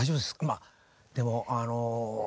まあでもあのいや。